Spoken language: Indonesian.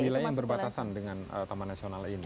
wilayah yang berbatasan dengan taman nasional ini